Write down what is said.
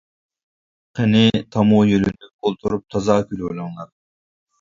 قېنى تامغا يۆلىنىپ ئولتۇرۇپ تازا كۈلۈۋېلىڭلار.